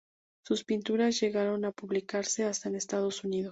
Sus pinturas llegaron a publicarse hasta en Estados Unidos.